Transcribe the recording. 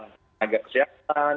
yang agak kesehatan